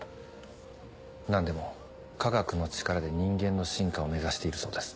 何でも科学の力で人間の進化を目指しているそうです。